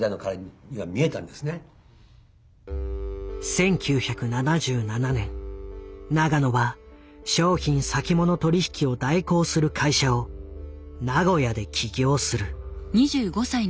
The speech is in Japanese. １９７７年永野は商品先物取引を代行する会社を名古屋で起業する。